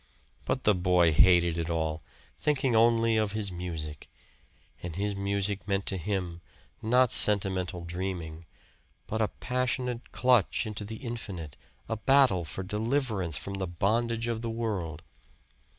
But the boy hated it all thinking only of his music. And his music meant to him, not sentimental dreaming, but a passionate clutch into the infinite, a battle for deliverance from the bondage of the world.